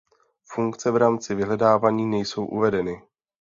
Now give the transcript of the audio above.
Funkce v rámci vyhledávání nejsou uvedeny.